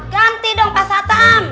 ganti dong pak satam